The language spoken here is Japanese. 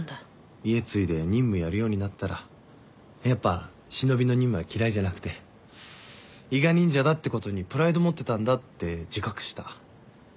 家継いで任務やるようになったらやっぱ忍びの任務は嫌いじゃなくて伊賀忍者だってことにプライド持ってたんだって自覚した。